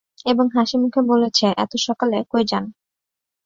এবং হাসিমুখে বলেছে, এত সকলে কই যান?